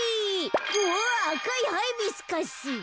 うわっあかいハイビスカス。